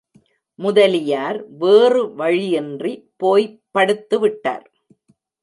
முதலியார் வேறு வழியின்றி போய்ப் படுத்துவிட்டார்.